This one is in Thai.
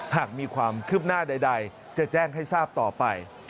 หากมีความคืบหน้าใดจะแจ้งให้ทราบต่อไป